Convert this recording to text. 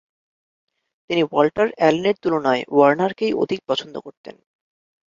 তিনি ওয়াল্টার অ্যালেনের তুলনায় ওয়ার্নারকেই অধিক পছন্দ করতেন।